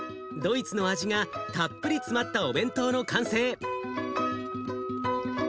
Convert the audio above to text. ドイツの味がたっぷり詰まったお弁当の完成。